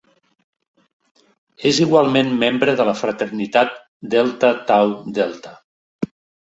És igualment membre de la fraternitat Delta Tau Delta.